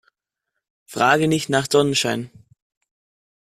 Frage nicht nach Sonnenschein.